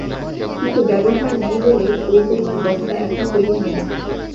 কিন্তু ব্যবহার নেই বলে ওই পরিমাণ বস্তা এখন তৈরি হয় না।